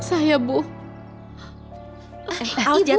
saya harus cari anak saya bu